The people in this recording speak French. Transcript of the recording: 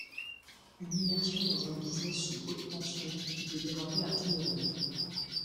Une immersion dans un business sous haute tension, qui peut déraper à tout moment.